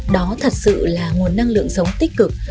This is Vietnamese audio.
đó thật sự là nguồn năng lượng sống tích cực